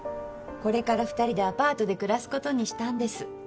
これから２人でアパートで暮らすことにしたんです。